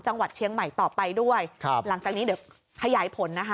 จังหวัดเชียงใหม่ต่อไปด้วยครับหลังจากนี้เดี๋ยวขยายผลนะคะ